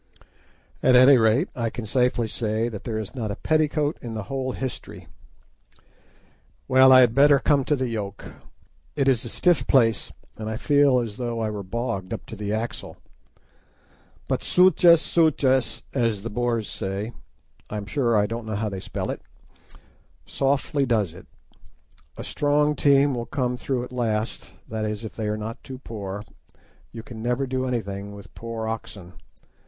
At any rate, I can safely say that there is not a petticoat in the whole history. Well, I had better come to the yoke. It is a stiff place, and I feel as though I were bogged up to the axle. But, "sutjes, sutjes," as the Boers say—I am sure I don't know how they spell it—softly does it. A strong team will come through at last, that is, if they are not too poor. You can never do anything with poor oxen.